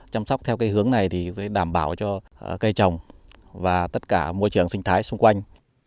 chăm sóc theo hướng này thì đảm bảo cho cây trồng và tất cả môi trường sinh thái xung quanh